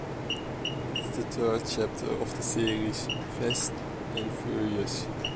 It’s the third chapter of the series "Fast and Furious".